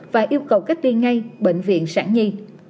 và yêu cầu cách đi ngay bệnh viện sẵn nhi